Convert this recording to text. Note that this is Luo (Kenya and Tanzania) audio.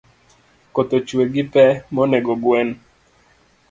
Koth ochue gi pe monego gwen